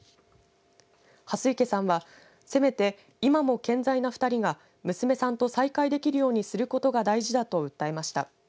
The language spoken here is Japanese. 蓮池さんはせめて今も健在な２人が娘さんと再会できるようにすることが大事だと訴えました。